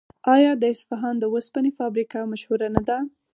آیا د اصفهان د وسپنې فابریکه مشهوره نه ده؟